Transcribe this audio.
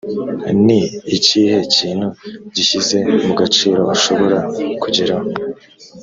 ni ikihe kintu gishyize mu gaciro ushobora kugeraho ?